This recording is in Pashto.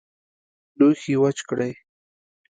لوښي وچ کړئ